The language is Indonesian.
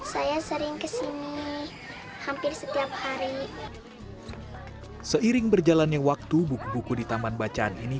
saya sering kesini hampir setiap hari seiring berjalannya waktu buku buku di taman bacaan ini